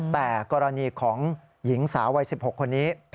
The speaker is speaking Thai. แต่กรณีของหญิงสาววัย๑๖คนนี้